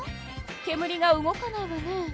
けむりが動かないわね。